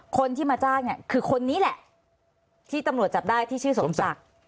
คนที่มาจ้างเนี่ยคือคนนี้แหละที่ตำรวจจับได้ที่ชื่อสมศักดิ์